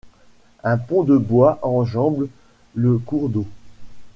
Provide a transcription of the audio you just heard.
Un pont de bois enjambe le cours d'eau.